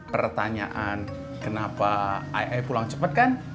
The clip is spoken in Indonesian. pertanyaan kenapa ayah pulang cepet kan